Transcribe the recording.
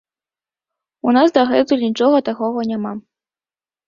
У нас дагэтуль нічога такога няма.